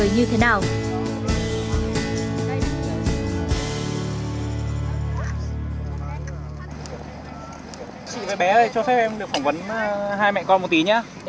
cho em được phỏng vấn hai mẹ con một tí nhé